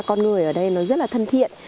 con người ở đây nó rất là thân thiện